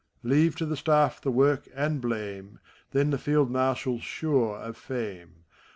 Leave to the Staff the work and blame, Then the Field Marshial's sure of fame!